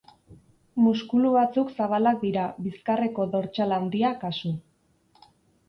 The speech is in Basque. Muskulu batzuk zabalak dira bizkarreko dortsal handia kasu.